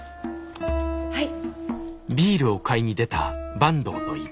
はい。